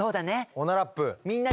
オナラップ。